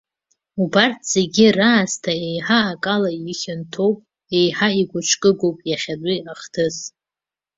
Убарҭ зегьы раасҭа еиҳа акала ихьанҭоуп, еиҳа игәыҿкаагоуп иахьатәи ахҭыс.